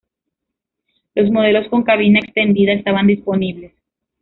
Los modelos con cabina extendida estaban disponibles.